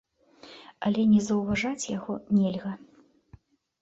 Але не заўважаць яго нельга.